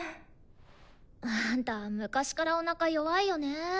あんた昔からおなか弱いよね。